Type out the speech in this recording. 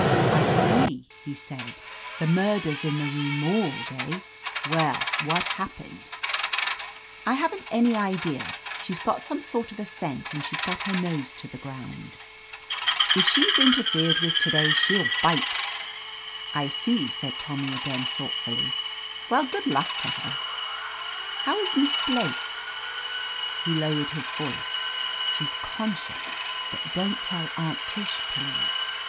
"I see," he said; "The Mur ders in the Rue Morgue, eh? Well, what happened ?" "I haven't any idea. She's got some sort of a scent, and she's got her nose to the ground i68 OF LETITIA CARBERRY and nrnning like mad. If she's interfered with to day, shell bite." "I see," said Tommy again thoughtfully. * Well, good luck to her." "How is Miss Blake?" He lowered his voice* "She's consci9us, but don't tell Atmt Tish, please.